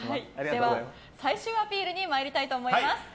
では、最終アピールに参りたいと思います。